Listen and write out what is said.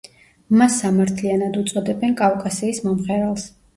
მას სამართლიანად უწოდებენ კავკასიის მომღერალს.